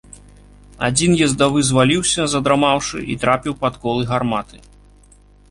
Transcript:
Адзін ездавы зваліўся, задрамаўшы, і трапіў пад колы гарматы.